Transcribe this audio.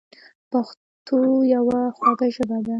پښتو یوه خوږه ژبه ده.